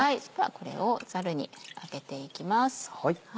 これをザルに上げていきます。